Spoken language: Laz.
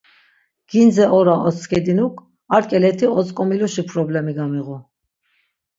Gindze ora oskedinuk ar ǩeleti otzǩomiluşi problemi gamiğu.